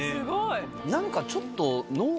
何かちょっと。